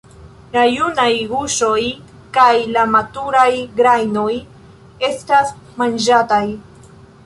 La junaj guŝoj kaj la maturaj grajnoj estas manĝataj.